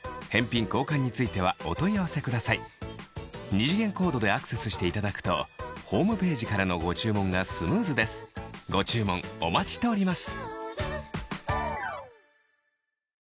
二次元コードでアクセスしていただくとホームページからのご注文がスムーズですご注文お待ちしております